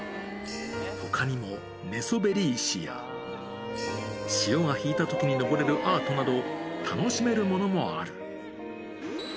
ほかにも、ねそべり石や、潮が引いたときに上れるアートなど、楽しめるものもある。